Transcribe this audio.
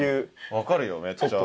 分かるよめっちゃ。